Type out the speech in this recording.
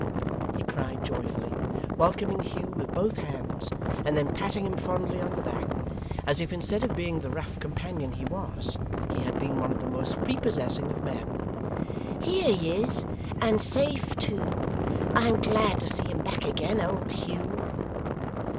he cried, joyfully welcoming Hugh with both hands, and then patting him fondly on the back, as if instead of being the rough companion he was, he had been one of the most prepossessing of men. 'Here he is, and safe too! I am glad to see him back again, old Hugh!